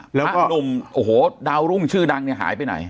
แล้วก็หนุ่มโอ้โหดาวรุ่งชื่อดังเนี่ยหายไปไหน